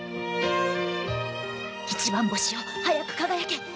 一番星よ早く輝け